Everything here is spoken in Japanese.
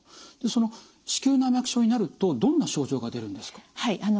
その子宮内膜症になるとどんな症状が出るんですか？